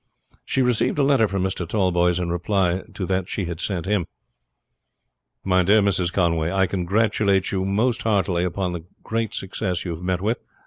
She received a letter from Mr. Tallboys in reply to that she had sent him: "MY DEAR MRS. CONWAY: I congratulate you most heartily upon the great success you have met with.